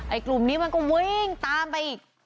กลุ่มนี้มันก็วิ่งตามไปอีก